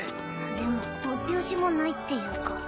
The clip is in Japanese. でも突拍子もないっていうか